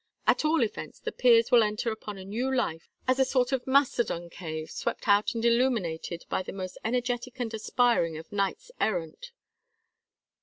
At all events the Peers' will enter upon a new life as a sort of mastodon cave swept out and illuminated by the most energetic and aspiring of knights errant."